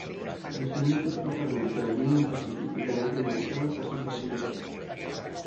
Les línies de ferrocarrils de la Union Pacific i Canadian National passen per la ciutat.